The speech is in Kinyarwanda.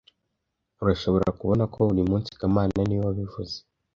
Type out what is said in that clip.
Urashobora kubona ko burimunsi kamana niwe wabivuze